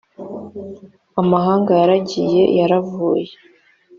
amahanga yaragiye b yavuye